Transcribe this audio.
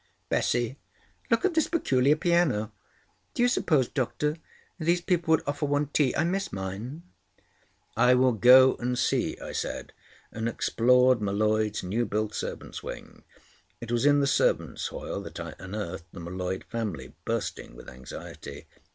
Bessie! Look at this peculiar piano! Do you suppose, Doctor, these people would offer one tea? I miss mine." "I will go and see," I said, and explored M'Leod's new built servants' wing. It was in the servants' hall that I unearthed the M'Leod family, bursting with anxiety.